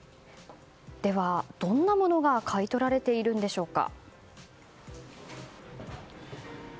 では、どんなものが買い取られているんでしょうか。